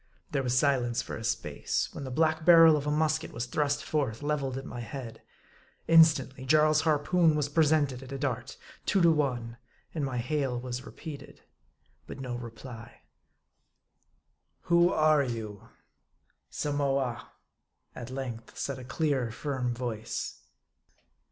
There was silence for a space, when the black barrel of a musket was thrust forth, leveled at my head. Instantly, Jarl's harpoon was presented at a dart ; two to one ; and my hail was repeated. But no reply. " Who are you ?"" Samoa," at length said a clear, firm voice.